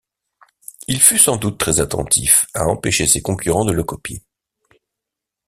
Il fut sans doute très attentif à empêcher ses concurrents de le copier.